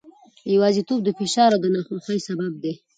یوازیتوب د فشار او ناخوښۍ سبب دی.